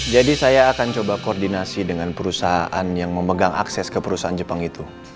jadi saya akan coba koordinasi dengan perusahaan yang memegang akses ke perusahaan jepang itu